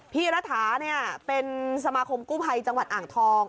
พี่รถาเป็นสมาคมกู้ไพจังหวัดอ่างทอง